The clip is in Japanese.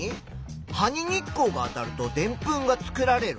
「葉に日光が当たるとでんぷんが作られる」。